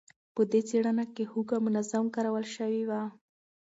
په دې څېړنه کې هوږه منظم کارول شوې وه.